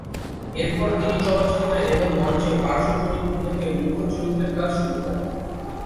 এরপর তিনি চলচ্চিত্রে এবং মঞ্চে পার্শ্ব চরিত্র থেকে মুখ্য চরিত্রে কাজ শুরু করেন।